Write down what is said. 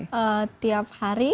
tidak tiap hari